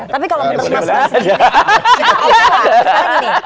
tapi kalau menurut mas roy sendiri